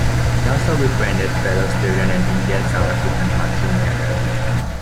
He also befriended fellow student and Indian South African Monty Naicker.